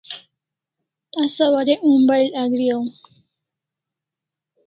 Asa warek mobile Agri aw